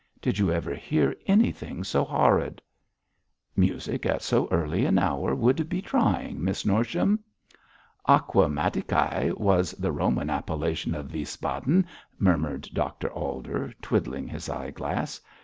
Did you ever hear anything so horrid?' 'Music at so early an hour would be trying, Miss Norsham!' 'Aqua Mattiacæ was the Roman appellation of Wiesbaden,' murmured Dr Alder, twiddling his eye glass.